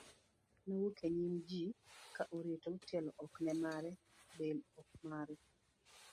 nowuok e nyim ji ka oreto, tielo ok ne mare, del ok mare